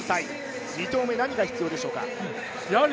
２投目、何が必要でしょうか？